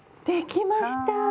できました！